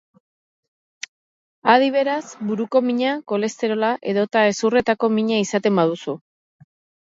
Adi, beraz, buruko mina, kolesterola edota hezurretako mina izaten baduzu.